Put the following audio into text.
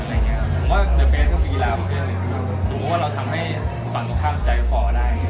ผมว่าเวลาฟัสก็เป็นกีฬาถูกว่าเราทำให้ฝากตัวข้ามใจผอได้